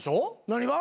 何が？